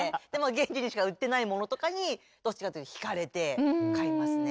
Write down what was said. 現地にしか売ってないものとかにどっちかというとひかれて買いますね。